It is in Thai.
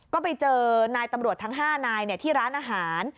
ก็ไปเจอนายตำรวจทั้ง๕นายที่ร้านอาหาร